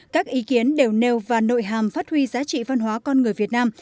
các ý kiến đều nêu vào nội hàm phát huy giá trị văn hóa con người việt nam